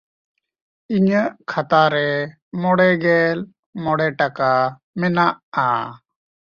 ᱤᱧᱟᱜ ᱠᱷᱟᱛᱟ ᱨᱮ ᱢᱚᱬᱮᱜᱮᱞ ᱢᱚᱬᱮ ᱴᱟᱠᱟ ᱢᱮᱱᱟᱜᱼᱟ᱾